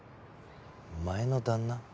「前の旦那」？